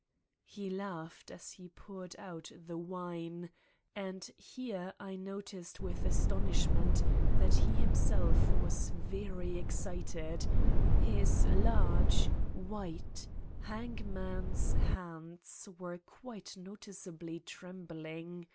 He laughed as he poured out the wine and here 213 Satan's Diary I noticed with astonishment that he himself was very excited: his large, white, hangman's hands were quite noticeably trembling.